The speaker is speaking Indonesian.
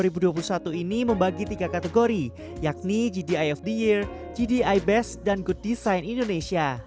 perusahaan ini membagi tiga kategori yakni gdi of the year gdi best dan good design indonesia